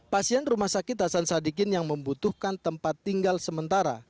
pasien rumah sakit hasan sadikin yang membutuhkan tempat tinggal sementara